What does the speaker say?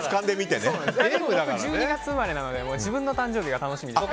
１２月生まれなので自分の誕生日が楽しみです。